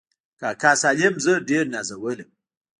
کاکا سالم زه ډېر نازولم.